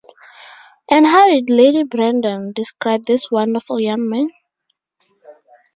And how did Lady Brandon describe this wonderful young man?